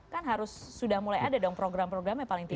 kan harus sudah mulai ada dong program programnya paling tidak